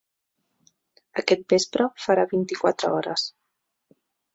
Aquest vespre farà vint-i-quatre hores.